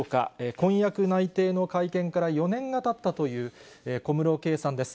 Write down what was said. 婚約内定の会見から４年がたったという小室圭さんです。